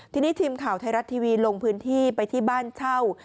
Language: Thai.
ทีนี้ทีมข่าวไทยรัฐทีวีลงพื้นที่ไปที่บ้านเช่า